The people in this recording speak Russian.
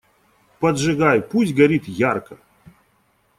Поджигай, пусть горит ярко!